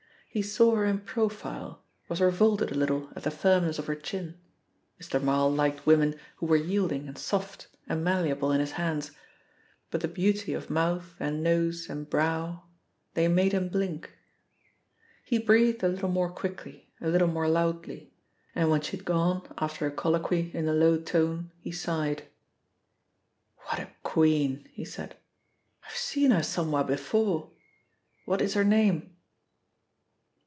He saw her in profile, was revolted a little at the firmness of her chin Mr. Marl liked women who were yielding and soft and malleable in his hands but the beauty of mouth and nose and brow they made him blink. He breathed a little more quickly, a little more loudly, and when she had gone after a colloquy, in a low tone, he sighed. "What a queen!" he said. "I've seen her somewhere before. What is her name?"